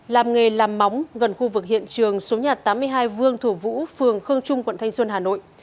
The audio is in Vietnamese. làm nghề làm móng gần khu vực hiện trường số nhà tám mươi hai vương thổ vũ phường khương trung quận thanh xuân hà nội